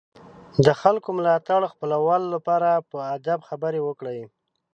د خلکو ملاتړ خپلولو لپاره په ادب خبرې وکړئ.